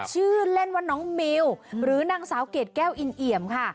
ชื่อเล่นว่าน้องมิวหรือนางสาวเกรดแก้วอินเอี่ยมค่ะ